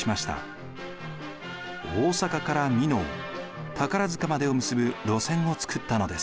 大阪から箕面宝塚までを結ぶ路線をつくったのです。